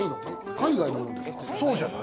海外のものですか？